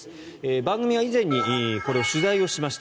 番組は以前にこれを取材しました。